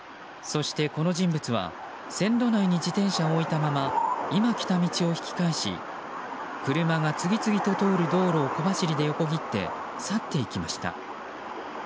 そして、この人物は線路内に自転車を置いたまま今来た道を引き返し車が次々と通る道路を小走りで横切って去っていきました。